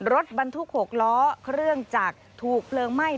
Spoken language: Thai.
รถบรรทุก๖ล้อเครื่องจักรถูกเพลิงไหม้